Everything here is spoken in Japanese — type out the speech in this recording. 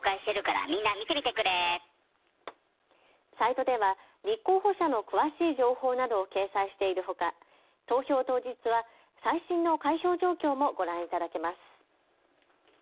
サイトでは立候補者の詳しい情報などを掲載しているほか投票当日は最新の開票状況もご覧いただけます。